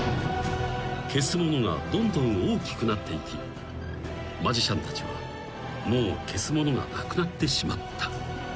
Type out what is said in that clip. ［消すものがどんどん大きくなっていきマジシャンたちはもう消すものがなくなってしまった］